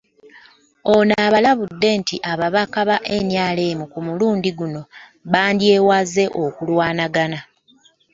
Ono abalabudde nti ababaka ba NRM ku mulundi guno bandyewaze okulwanagana